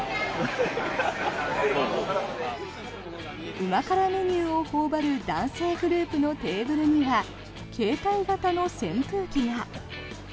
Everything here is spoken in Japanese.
うま辛メニューを頬張る男性グループのテーブルには携帯型の扇風機が。